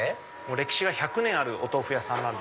歴史が１００年あるお豆腐屋さん。